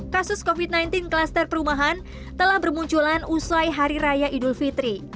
kasus covid sembilan belas klaster perumahan telah bermunculan usai hari raya idul fitri